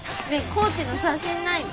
コーチの写真ないの？